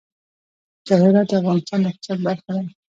جواهرات د افغانستان د اقتصاد برخه ده.